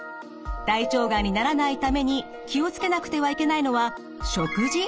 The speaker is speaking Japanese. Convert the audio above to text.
大腸がんにならないために気を付けなくてはいけないのは食事？